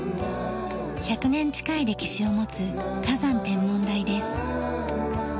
１００年近い歴史を持つ花山天文台です。